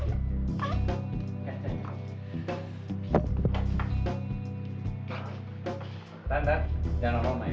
tante jangan olah main